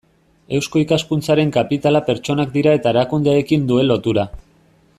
Eusko Ikaskuntzaren kapitala pertsonak dira eta erakundeekin duen lotura.